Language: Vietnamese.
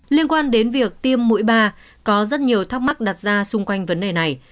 liên quan đến việc tiêm mũi ba có rất nhiều thắc mắc đặt ra xung quanh vấn đề này